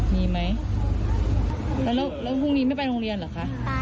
มีไหมแล้วแล้วพรุ่งนี้ไม่ไปโรงเรียนเหรอคะ